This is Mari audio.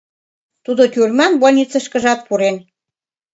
Тудо тюрьман больницышкыжат пурен.